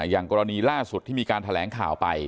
อย่างกรณีล่าสุดที่มีการแถลงข่าวไป